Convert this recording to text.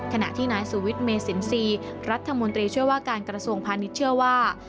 ขณะที่นายสุวิทย์เมสินทรีย์รัฐมนตรีช่วยว่าการกระทรวงพาณิชย์เชื่อว่า